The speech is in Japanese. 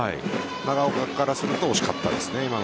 長岡からすると惜しかったですね。